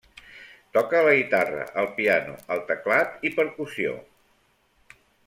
Toca la guitarra, el piano, el teclat i percussió.